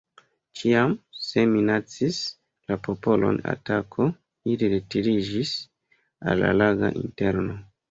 Ĉiam, se minacis la popolon atako, ili retiriĝis al la laga interno.